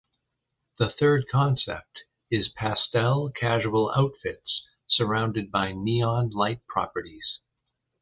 The third concept is pastel casual outfits surrounded by neon light properties.